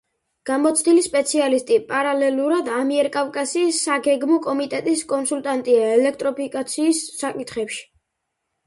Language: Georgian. გამოცდილი სპეციალისტი პარალელურად ამიერკავკასიის საგეგმო კომიტეტის კონსულტანტია ელექტროფიკაციის საკითხებში.